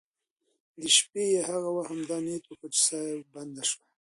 د شپې یې هغه وخت همدا نیت وکړ چې ساه یې بنده شوه.